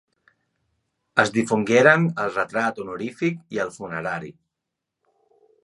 Es difongueren el retrat honorífic i el funerari.